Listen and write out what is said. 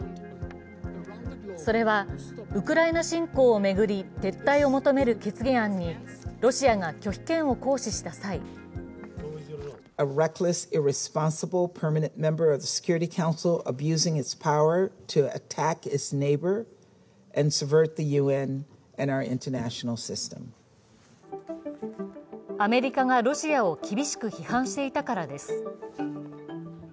それはウクライナ侵攻を巡り、撤退を求める決議案にロシアが拒否権を行使した際アメリカがロシアを厳しく批判していたからです。